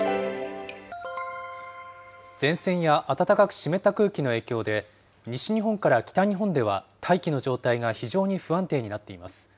前線や暖かく湿った空気の影響で、西日本から北日本では、大気の状態が非常に不安定になっています。